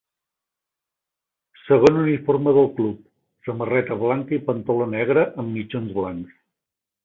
Segon uniforme del club, samarreta blanca i pantaló negre, amb mitjons blancs.